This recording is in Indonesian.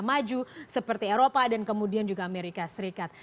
maju seperti eropa dan kemudian juga amerika serikat